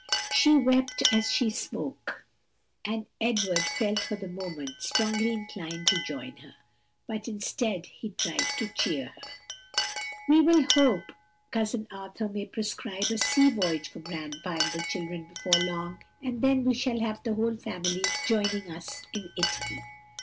She wept as she spoke, and Edward felt for the moment strongly inclined to join her. But instead he tried to cheer her. "We will hope Cousin Arthur may prescribe a sea voyage for grandpa and the children before long, and then we shall have the whole family joining us in Italy."